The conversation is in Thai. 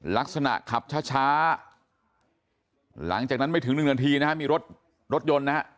ลักษณะขับช้าหลังจากนั้นไม่ถึงหนึ่งนาทีนะฮะมีรถรถยนต์นะฮะ